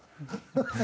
ハハハハ！